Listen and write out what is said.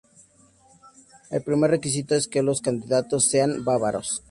El primer requisito es que los candidatos sean bávaros.